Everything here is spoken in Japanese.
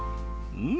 うん！